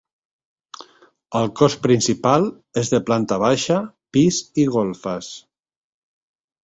El cos principal és de planta baixa, pis i golfes.